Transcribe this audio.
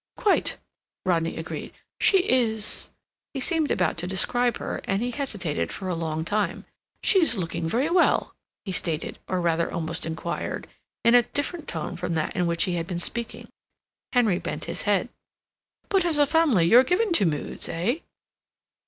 "Quite," Rodney agreed. "She is—" He seemed about to describe her, and he hesitated for a long time. "She's looking very well," he stated, or rather almost inquired, in a different tone from that in which he had been speaking. Henry bent his head. "But, as a family, you're given to moods, eh?"